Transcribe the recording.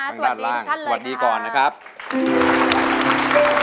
สวัสดีทุกท่านเลยค่ะสวัสดีก่อนนะครับข้างด้านล่างสวัสดีก่อนนะครับ